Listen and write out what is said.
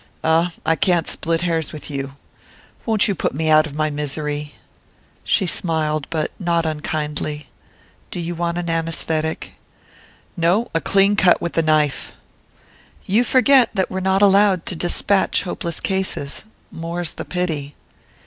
"Ah, I can't split hairs with you. Won't you put me out of my misery?" She smiled, but not unkindly. "Do you want an anæsthetic?" "No a clean cut with the knife!" "You forget that we're not allowed to despatch hopeless cases more's the pity!"